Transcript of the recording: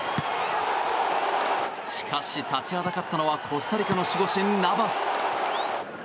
しかし、立ちはだかったのはコスタリカの守護神ナバス。